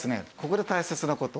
ここで大切な事。